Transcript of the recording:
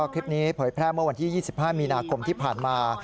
เผยแพร่เมื่อวันที่๒๕มีนาคมที่ผ่านมา